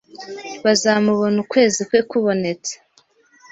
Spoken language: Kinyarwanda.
bazamubona ukwezi kwe kubonetse